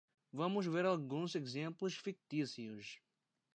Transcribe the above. Vamos ver alguns exemplos fictícios.